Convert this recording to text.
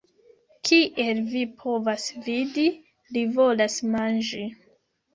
Kiel vi povas vidi, li volas manĝi